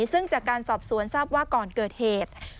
ซึ่งจากการสอบสวนทราบว่าก่อนเกิดเหตุ